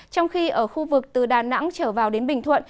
trong khi ở khu vực từ đà nẵng trở vào đến bình thuận